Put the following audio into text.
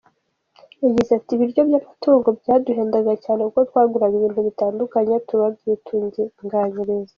Yagize ati “ Ibiryo by’amatungo byaduhendaga cyane, kuko twaguraga ibintu bitandukanye tubabyitunganyiriza.